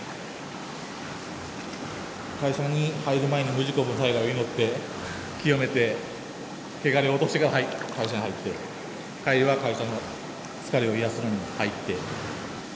会社に入る前に無事故無災害を祈って清めて穢れを落としてから会社に入って帰りは会社の疲れを癒やすのに入って。